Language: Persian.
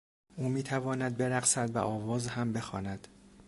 او میتواند برقصد و آواز هم بخواند.